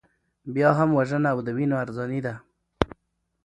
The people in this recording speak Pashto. بیا هم وژنه او د وینو ارزاني ده.